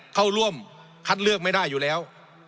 เข้าร่วมคัดเลือกไม่ได้อยู่แล้ว